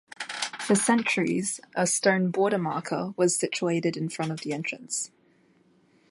For centuries a stone border marker was situated in front of the entrance.